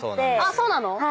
そうなの？